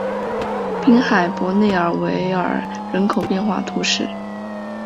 滨海伯内尔维尔人口变化图示